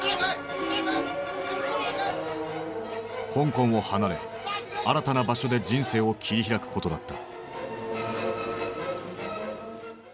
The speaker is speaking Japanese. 香港を離れ新たな場所で人生を切り開くことだった。